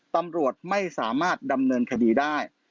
ตำรวจไม่สามารถดำเนินคดีได้